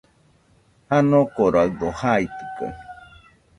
Janokoraɨdo jaitɨkaɨ.